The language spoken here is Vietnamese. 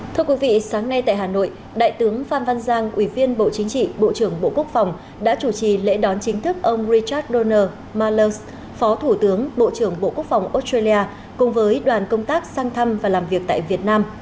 thưa quý vị sáng nay tại hà nội đại tướng phan văn giang ủy viên bộ chính trị bộ trưởng bộ quốc phòng đã chủ trì lễ đón chính thức ông richard dona malla phó thủ tướng bộ trưởng bộ quốc phòng australia cùng với đoàn công tác sang thăm và làm việc tại việt nam